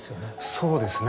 そうですね。